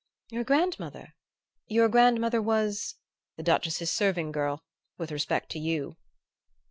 "Your grandmother? Your grandmother was ?" "The Duchess's serving girl, with respect to you."